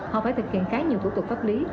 họ phải thực hiện khá nhiều thủ tục pháp lý